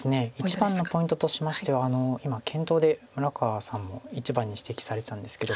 一番のポイントとしましては今検討で村川さんも一番に指摘されたんですけど。